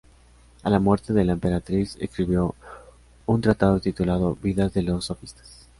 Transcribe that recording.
A la muerte de la emperatriz escribió un tratado titulado "Vidas de los sofistas".